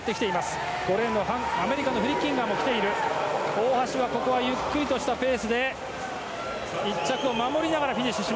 大橋ゆっくりとしたペースで１着を守りながらフィニッシュ。